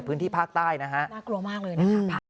พื้นที่ภาคใต้นะฮะน่ากลัวมากเลยนะครับ